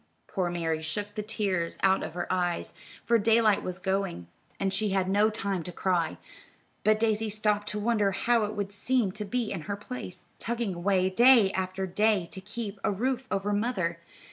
Poor Mary shook the tears out of her eyes, for daylight was going, and she had no time to cry; but Daisy stopped to wonder how it would seem to be in her place, "tugging away" day after day to keep a roof over mother.